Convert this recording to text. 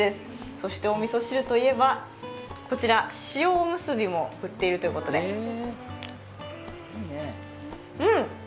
そして、おみそ汁といえばこちら塩おむすびも売っているということでうん！